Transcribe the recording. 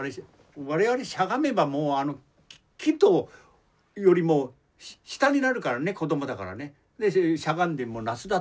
我々しゃがめばもう木よりも下になるからね子どもだからね。